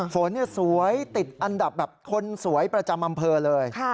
ฝนสวยติดอันดับแบบคนสวยประจำอำเภอเลย